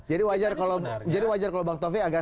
jadi wajar kalau bang taufik agak